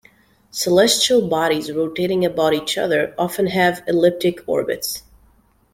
Celestial bodies rotating about each other often have elliptic orbits.